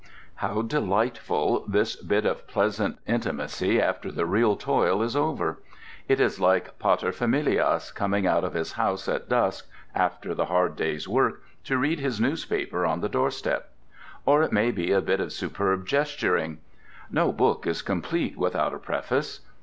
How delightful this bit of pleasant intimacy after the real toil is over! It is like paterfamilias coming out of his house at dusk, after the hard day's work, to read his newspaper on the doorstep. Or it may be a bit of superb gesturing. No book is complete without a preface.